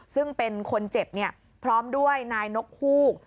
ซึ่งเป็นคนเจ็บพร้อมด้วยนายนกฮูก